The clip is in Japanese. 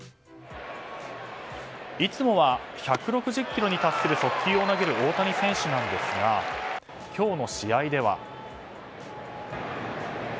いつもは１６０キロに達する速球を投げる大谷選手ですが今日の試合では。